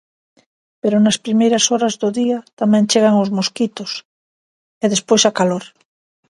Pero nas primeiras horas do día tamén chegan os mosquitos, e despois a calor.